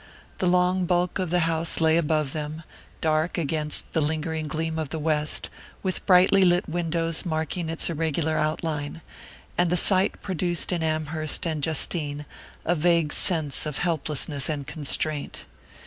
The long bulk of the house lay above them, dark against the lingering gleam of the west, with brightly lit windows marking its irregular outline; and the sight produced in Amherst and Justine a vague sense of helplessness and constraint.